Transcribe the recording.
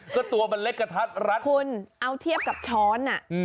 ก็ตัวมันเล็กกระทัดรัดคุณเอาเทียบกับช้อนอ่ะ